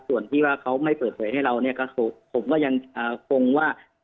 ส่วนที่ว่าเขาไม่เปิดเผยให้เราเนี่ยก็ผมก็ยังคงว่า